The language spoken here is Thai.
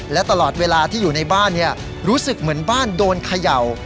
และตลอดเวลาที่อยู่ในบ้านรู้สึกเหมือนบ้านโดนเขย่า